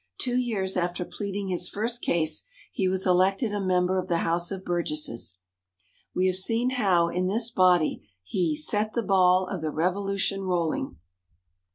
Two years after pleading his first case, he was elected a member of the House of Burgesses. We have seen how, in this body, he "set the ball of the Revolution rolling."